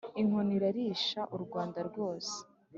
inkoni irarisha u rwanda rwose.